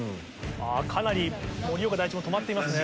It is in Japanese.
かなり盛岡第一も止まっていますね。